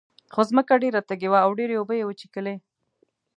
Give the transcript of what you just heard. خو ځمکه ډېره تږې وه او ډېرې اوبه یې وڅکلې.